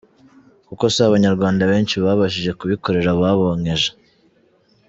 Kuko si Abanyarwanda benshi babashije kubikorera ababonkeje!